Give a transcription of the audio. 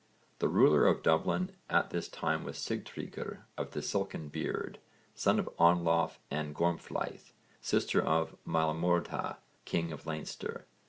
The ruler of Dublin at this time was Sigtryggr of the Silken Beard, son of Anlaf and Gormflaith, sister of Maelmordha, king of Leinster.